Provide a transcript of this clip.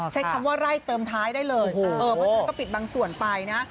ใช้คำว่าไล่เติมท้ายได้เลยเพราะฉะนั้นก็ปิดบางส่วนไปนะ